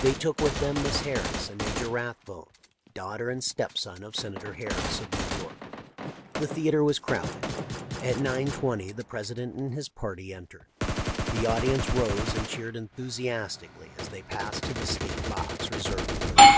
They took with them Miss Harris and Major Rathbone, daughter and stepson of Senator Harris, of New York. " The theatre was crowded. At 9 : 20 the Presi dent and his party entered. The audience rose and cheered enthusiastically as they passed to the ' state box ' reserved for them.